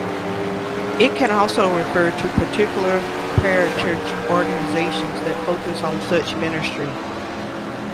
It can also refer to particular parachurch organizations that focus on such ministry.